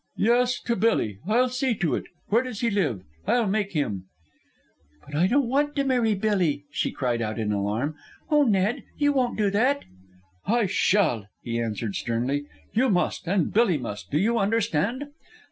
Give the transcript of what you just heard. "Yes, to Billy. I'll see to it. Where does he live? I'll make him." "But I don't want to marry Billy!" she cried out in alarm. "Oh, Ned, you won't do that?" "I shall," he answered sternly. "You must. And Billy must. Do you understand?"